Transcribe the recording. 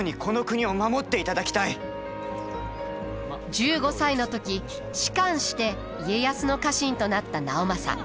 １５歳の時仕官して家康の家臣となった直政。